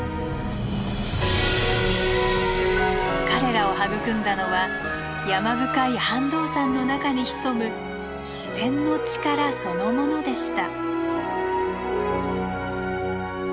彼らを育んだのは山深い飯道山の中に潜む自然の力そのものでした。